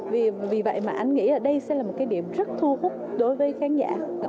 vì vậy mà anh nghĩ ở đây sẽ là một cái điểm rất thu hút đối với khán giả